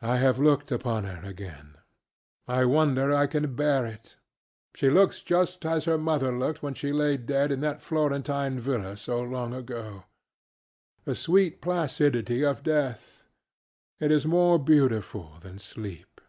I have looked upon her again. I wonder I can bear it. She looks just as her mother looked when she lay dead in that Florentine villa so long ago. The sweet placidity of death! it is more beautiful than sleep.